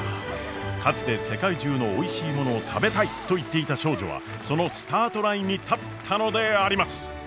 かつて世界中のおいしいものを食べたいと言っていた少女はそのスタートラインに立ったのであります！